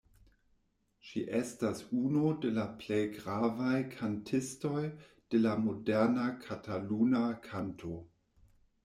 Ŝi estas unu de la plej gravaj kantistoj de la moderna kataluna kanto.